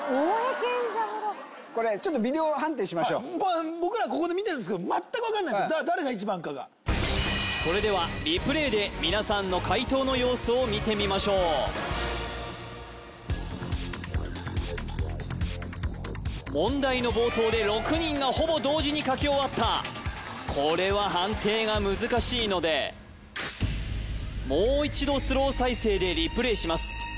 これちょっとビデオ判定しましょう僕らここで見てるんですけど全く分かんないの誰が一番かがそれではリプレイで皆さんの解答の様子を見てみましょう問題の冒頭で６人がほぼ同時に書き終わったこれは判定が難しいのでもう一度スロー再生でリプレイします